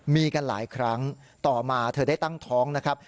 มีกันหลายครั้งต่อมาเธอได้ตั้งท้องนะครับ